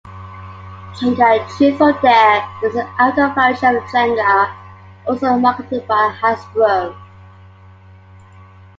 Jenga Truth or Dare is an adult variation of Jenga also marketed by Hasbro.